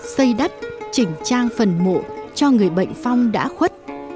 xây đắp chỉnh trang phần mộ cho người bệnh phong đã khuất